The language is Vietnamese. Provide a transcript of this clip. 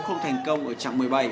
không thành công ở trạng một mươi bảy